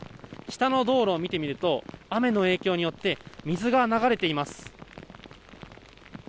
下の道路を見てみると雨の影響によって水が流れています。